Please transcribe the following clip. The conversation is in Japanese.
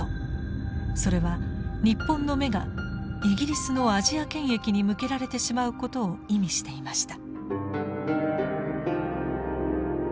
それは日本の目がイギリスのアジア権益に向けられてしまうことを意味していました。